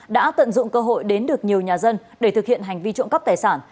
đã tận dụng cơ hội đến được nhiều nhà dân để thực hiện hành vi trộm cắp tài sản